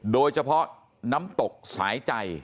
โดยเฉพาะน้ำตกสายใจ